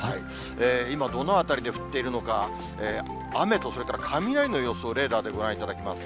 今、どの辺りで降っているのか、雨と、それから雷の様子をレーダーでご覧いただきます。